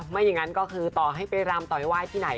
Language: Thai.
ไม่อย่างนั้นก็คือต่อให้ไปรำต่อยไห้ที่ไหน